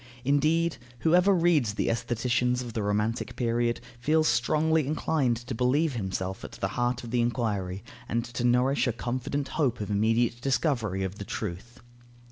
Indeed, whoever reads the aestheticians of the romantic period, feels strongly inclined to believe himself at the heart of the enquiry and to nourish a confident hope of immediate discovery of the truth.